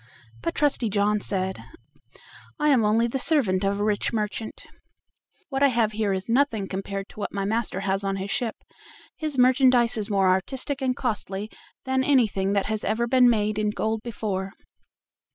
But Trusty John said: "I am only the servant of a rich merchant, what I have here is nothing compared to what my master has on his ship; his merchandise is more artistic and costly than anything that has ever been made in gold before."